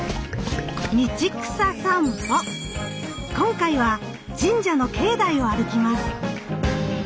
今回は神社の境内を歩きます。